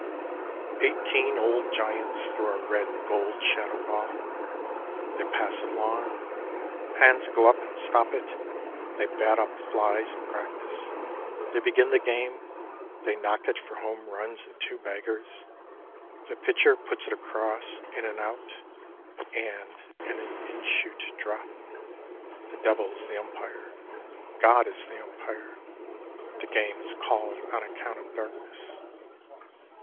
Eighteen old giants throw a red gold shadow ball; they pass it along; hands go up and stop it; they bat up flies and practice ; they begin the game, they knock it for home runs and two baggers ; the pitcher put it across in an out and an in shoot drop; the Devil is the Umpire; God is the Umpire; the game is called on account of darkness.